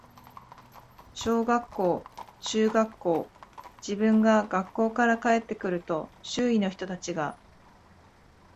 小学校、中学校、自分が学校から帰って来ると、周囲の人たちが、